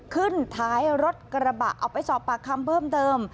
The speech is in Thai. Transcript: ขึ้นท้ายรถกระบะเอาไปสอบปากคำเพิ่มเติม